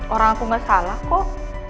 orang aku gak salah kok